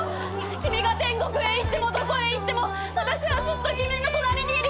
君が天国へ行ってもどこへ行っても私はずっと君の隣にいるよ。